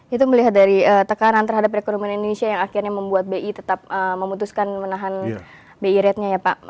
itu melihat dari tekanan terhadap perekonomian indonesia yang akhirnya membuat bi tetap memutuskan menahan bi ratenya ya pak